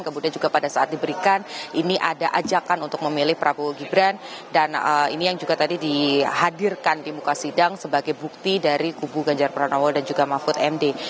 kemudian juga pada saat diberikan ini ada ajakan untuk memilih prabowo gibran dan ini yang juga tadi dihadirkan di muka sidang sebagai bukti dari kubu ganjar pranowo dan juga mahfud md